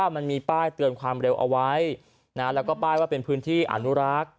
มันมีป้ายเตือนความเร็วเอาไว้แล้วก็ป้ายว่าเป็นพื้นที่อนุรักษ์